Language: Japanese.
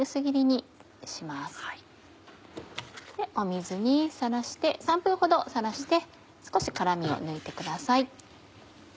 水に３分ほどさらして少し辛みを抜いてください。